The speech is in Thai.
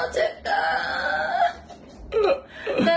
เจ็บตา